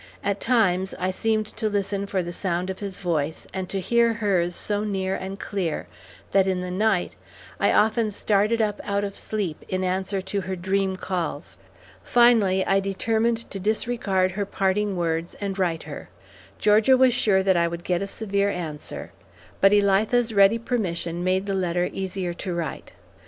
At times, I seemed to listen for the sound of his voice, and to hear hers so near and clear that in the night, I often started up out of sleep in answer to her dream calls. Finally I determined to disregard her parting words, and write her. Georgia was sure that I would get a severe answer, but Elitha's ready permission made the letter easier to write.